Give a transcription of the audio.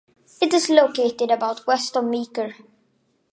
It is located about west of Meeker.